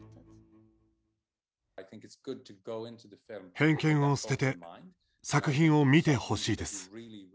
偏見を捨てて作品を見てほしいです。